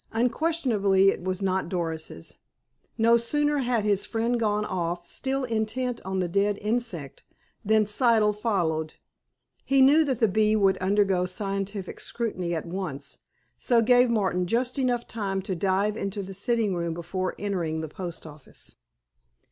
Unquestionably, it was not Doris's. No sooner had his friend gone off, still intent on the dead insect, than Siddle followed. He knew that the bee would undergo scientific scrutiny at once, so gave Martin just enough time to dive into the sitting room before entering the post office.